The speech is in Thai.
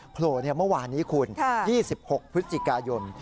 โผล่เมื่อวานนี้คุณ๒๖พฤศจิกายน